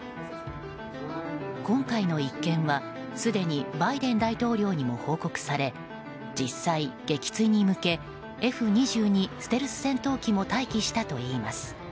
今回の一件は、すでにバイデン大統領にも報告され実際、撃墜に向けＦ２２ステルス戦闘機も待機したといいます。